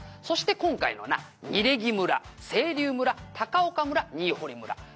そして今回のな楡木村清流村高岡村新堀村